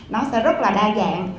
nó sẽ rất là đa dạng